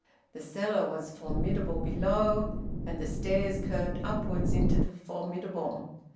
The cellar was formidable below, and the stairs curved upwards into the formidable.